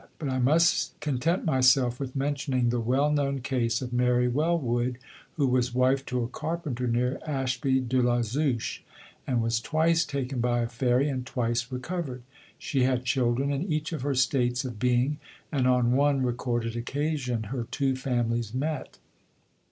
But I must content myself with mentioning the well known case of Mary Wellwood who was wife to a carpenter near Ashby de la Zouche, and was twice taken by a fairy and twice recovered. She had children in each of her states of being, and on one recorded occasion her two families met.